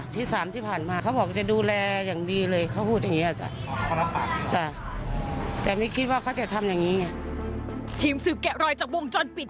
ทีมสืบแกะรอยจากวงจรปิด